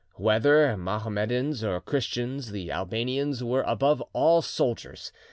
Whether Mahomedans or Christians, the Albanians were above all soldiers.